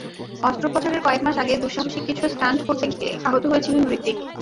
অস্ত্রোপচারের কয়েক মাস আগে দুঃসাহসিক কিছু স্টান্ট করতে গিয়ে আহত হয়েছিলেন হৃতিক।